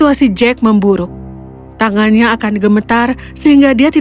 aku akan mulai mandi